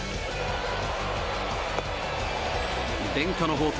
伝家の宝刀